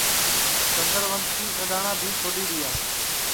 چندوسی سڈؔاٹؔا بھی چھوڈؔی دؔیا